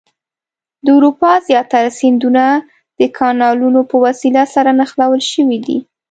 د اروپا زیاتره سیندونه د کانالونو په وسیله سره نښلول شوي دي.